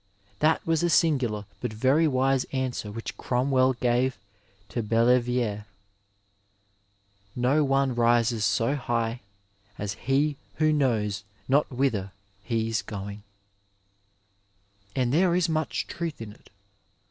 That was a singnlar but very wise answer which Cromwell gave to Bellevire —" No one rises so high as he who knows nob whither he is going," and there is much truth in it.